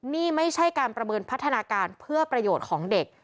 นี่ไม่ใช่การประเมินพัฒนาการเพื่อประโยชน์ของเด็ก